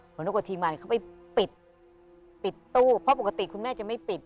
เหมือนกับทีมงานเขาไปปิดปิดตู้เพราะปกติคุณแม่จะไม่ปิด